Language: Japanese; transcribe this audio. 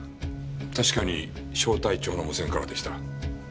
確かに小隊長の無線からでした。